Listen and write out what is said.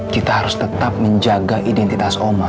kita harus tetap menjaga identitas oma